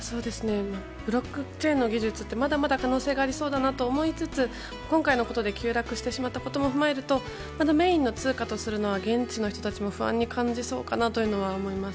ブロックチェーンの技術ってまだまだ可能性がありそうだなと思いつつ今回のことで急落してしまったことも踏まえると現地の人たちも不安に感じそうだと思います。